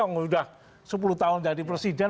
sudah sepuluh tahun jadi presiden